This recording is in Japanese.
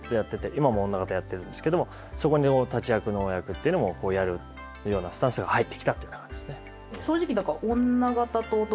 今も女方やってるんですけどもそこの立役のお役っていうのもやるようなスタンスが入ってきたと。